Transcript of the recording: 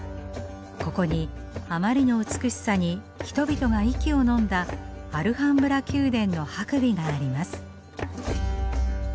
ここにあまりの美しさに人々が息をのんだアルハンブラ宮殿の白眉があります。